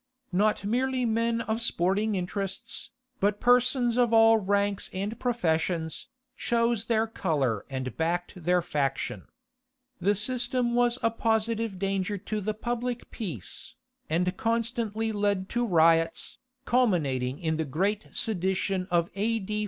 Not merely men of sporting interests, but persons of all ranks and professions, chose their colour and backed their faction. The system was a positive danger to the public peace, and constantly led to riots, culminating in the great sedition of A.D.